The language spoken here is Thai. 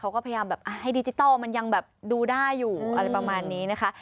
เขาก็พยายามแบบให้ดิจิทัลมันยังแบบดูได้อยู่อะไรประมาณนี้นะคะ